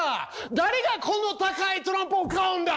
誰がこの高いトランプを買うんだ！